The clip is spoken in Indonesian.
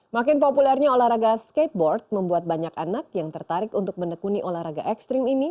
makin populernya olahraga skateboard membuat banyak anak yang tertarik untuk menekuni olahraga ekstrim ini